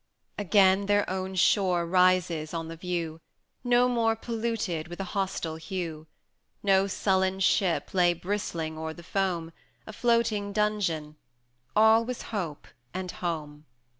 400 XV. Again their own shore rises on the view, No more polluted with a hostile hue; No sullen ship lay bristling o'er the foam, A floating dungeon: all was Hope and Home!